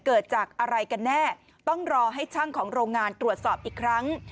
เกิดจากอะไรกันแน่ต้องรอให้ช่างของโรงงานตรวจสอบอีกครั้ง